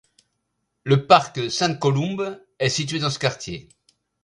Le parc St Columb est situé dans ce quartier.